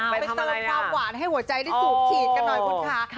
ไปเติมความหวานให้หัวใจได้สูบฉีดกันหน่อยคุณค่ะ